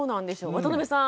渡邊さん